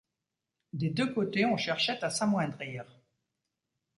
Des deux côtés on cherchait à s’amoindrir.